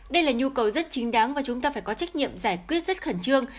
đây là nhu cầu rất chính đáng và chúng ta phải có trách nhiệm giải quyết rất khẩn trương